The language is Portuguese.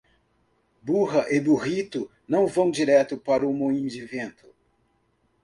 Burra e burrito não vão direto para o moinho de vento.